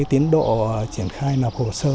tiến độ triển khai nộp hồ sơ